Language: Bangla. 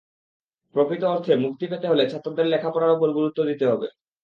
প্রকৃত অর্থে মুক্তি পেতে হলে ছাত্রদের লেখাপড়ার ওপর গুরুত্ব দিতে হবে।